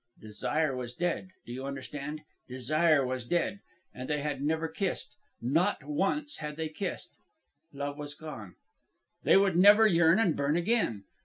Desire was dead. Do you understand? Desire was dead. And they had never kissed. Not once had they kissed. Love was gone. They would never yearn and burn again.